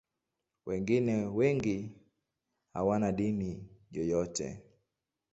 Wengine wengi hawana dini yoyote.